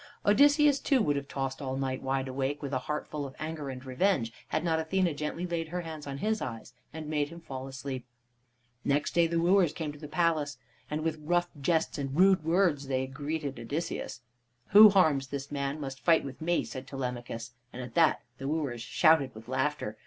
Odysseus, too, would have tossed all night wide awake, with a heart full of anger and revenge, had not Athene gently laid her hands on his eyes and made him fall asleep. Next day the wooers came to the palace, and with rough jest and rude word they greeted Odysseus. "Who harms this man must fight with me," said Telemachus, and at that the wooers shouted with laughter.